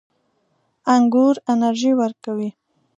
انګور انرژي ورکوي